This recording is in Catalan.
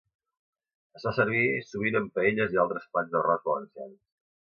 Es fa servir sovint en paelles i altres plats d'arròs valencians.